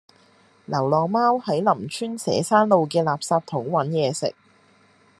流浪貓喺林村社山路嘅垃圾桶搵野食